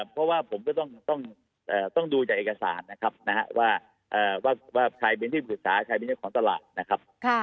เพราะว่าผมก็ต้องดูจากเอกสารนะครับว่าใครเป็นที่ปรึกษาใครเป็นเจ้าของตลาดนะครับ